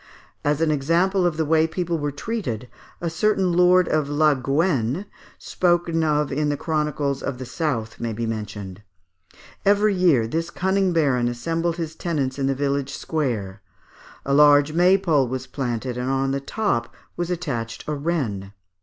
As an example of the way people were treated, a certain Lord of Laguène, spoken of in the old chronicles of the south, may be mentioned. Every year, this cunning baron assembled his tenants in the village square. A large maypole was planted, and on the top was attached a wren.